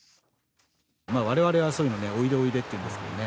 われわれはそういうのおいでおいでって言うんですけれど。